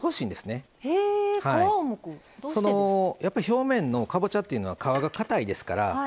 表面のかぼちゃっていうのは皮がかたいですから。